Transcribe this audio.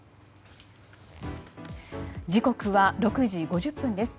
時刻は６時５０分です。